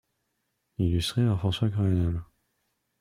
Illustrés par François Craenhals.